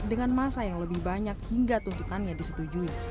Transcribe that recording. dengan masa yang lebih banyak hingga tuntutannya disetujui